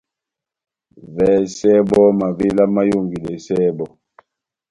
Vɛsɛ bɔ́ mavéla máyonjidɛsɛ bɔ́.